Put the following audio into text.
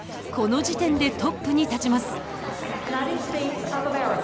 この時点でトップに立ちます。